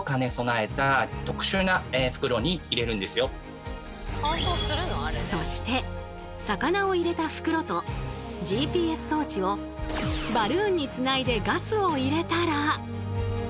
まずはそして魚を入れた袋とＧＰＳ装置をバルーンにつないでガスを入れたら。